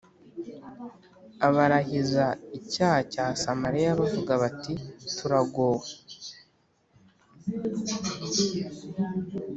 abarahiza icyaha cya samariya bavuga bati turagowe